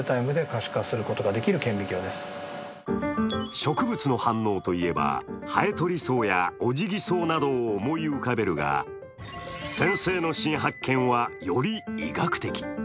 植物の反応といえば、ハエトリソウやオジギソウなどを思い浮かべるが、先生の新発見はより医学的。